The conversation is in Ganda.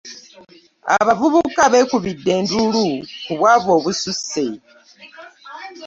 Abavubuka bekubidde enduulu ku bwavu obususse.